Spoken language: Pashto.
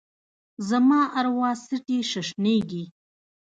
زما اروا څټي ششنیږې